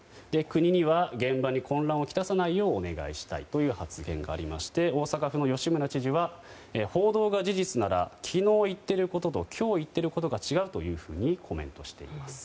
国には現場に混乱をきたさないようお願いしたいという発言がありまして大阪府の吉村知事は報道が事実なら昨日言っていることと今日言っていることが違うとコメントしています。